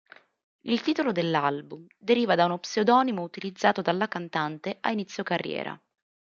Il titolo dell'album deriva da uno pseudonimo utilizzato dalla cantante a inizio carriera.